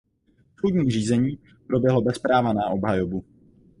Soudní řízení proběhlo bez práva na obhajobu.